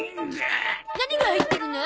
何が入ってるの？